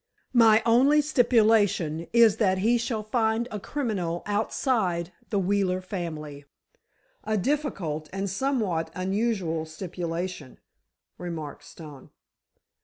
My only stipulation is that he shall find a criminal outside the Wheeler family." "A difficult and somewhat unusual stipulation," remarked Stone.